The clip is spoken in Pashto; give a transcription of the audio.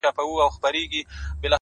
کنې دوى دواړي ويدېږي ورځ تېرېږي ـ